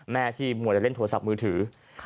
แม่ที่มัวแต่เล่นโทรศัพท์มือถือ